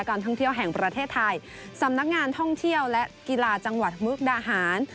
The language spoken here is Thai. ท่องเที่ยวแห่งประเทศไทยสำนักงานท่องเที่ยวและกีฬาจังหวัดมุกดาหาร